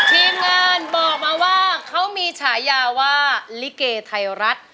ทีมงานบอกมาว่าเขามีฉายาว่าลิเกไทยรัฐ